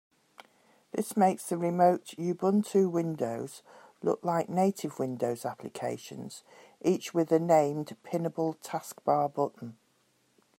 This makes the remote Ubuntu windows look like native Windows applications, each with a named pinnable taskbar button.